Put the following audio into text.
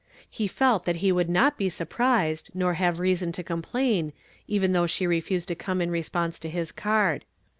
lie felt that he would not be sur prised, nor have reason to complain, even though she refused to come in response to his card.